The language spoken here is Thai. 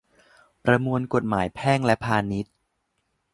ประมวลกฎหมายแพ่งและพาณิชย์